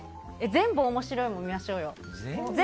全部面白いも見ましょうよ。